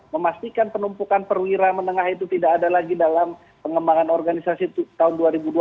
memastikan penumpukan perwira menengah itu tidak ada lagi dalam pengembangan organisasi tahun dua ribu dua puluh